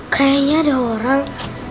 kayaknya ada orang